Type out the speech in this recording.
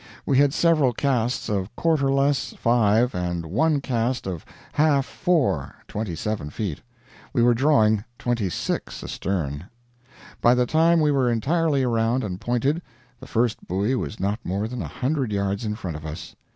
We had several casts of quarter less 5, and one cast of half 4 27 feet; we were drawing 26 astern. By the time we were entirely around and pointed, the first buoy was not more than a hundred yards in front of us.